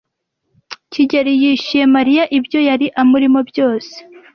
kigeli yishyuye Mariya ibyo yari amurimo byose.